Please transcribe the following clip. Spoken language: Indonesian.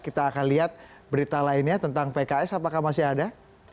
kita akan lihat berita lainnya tentang pks apakah masih ada